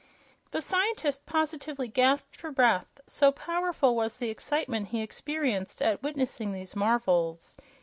The scientist positively gasped for breath, so powerful was the excitement he experienced at witnessing these marvels.